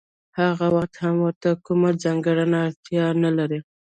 هغه وخت هم ورته کومه ځانګړې اړتیا نلري